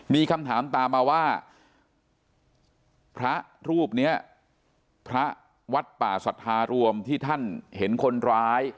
มีคำถามตามมาว่าพระรูปนี้พระวัดป่าศรัทธารวมที่ท่านเห็นคนร้าย